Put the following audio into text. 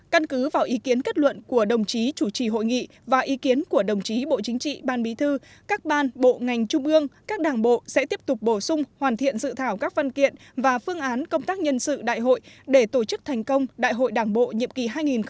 căn cứ vào ý kiến kết luận của đồng chí chủ trì hội nghị và ý kiến của đồng chí bộ chính trị ban bí thư các ban bộ ngành trung ương các đảng bộ sẽ tiếp tục bổ sung hoàn thiện dự thảo các văn kiện và phương án công tác nhân sự đại hội để tổ chức thành công đại hội đảng bộ nhiệm kỳ hai nghìn hai mươi hai nghìn hai mươi năm